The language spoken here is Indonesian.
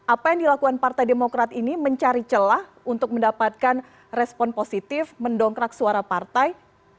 apa yang dilakukan partai demokrat ini mencari celah untuk mendapatkan respon positif mendongkrak suara partai